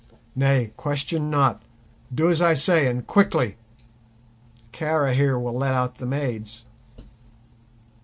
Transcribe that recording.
Nay, question not; do as I say, and quickly. Kara here will let out the maids."